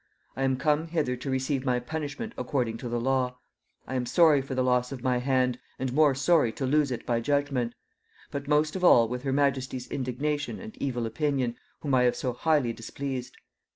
I am come hither to receive my punishment according to the law. I am sorry for the loss of my hand, and more sorry to lose it by judgement; but most of all with her majesty's indignation and evil opinion, whom I have so highly displeased.